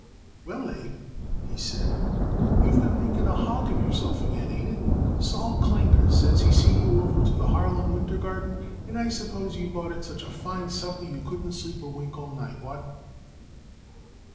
"Well, Abe," he said, "you've been making a hog of yourself again. Ain't it? Sol Klinger says he seen you over to the Harlem Winter Garden, and I suppose you bought it such a fine supper you couldn't sleep a wink all night. What?"